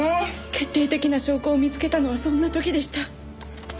決定的な証拠を見つけたのはそんな時でした。